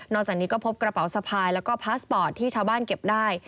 จากนี้ก็พบกระเป๋าสะพายแล้วก็พาสปอร์ตที่ชาวบ้านเก็บได้